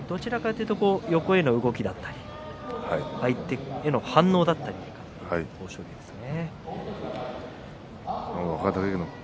どちらかというと横への動きだったり相手の反応だったりという豊昇龍ですね。